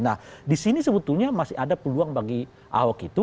nah disini sebetulnya masih ada peluang bagi ahok itu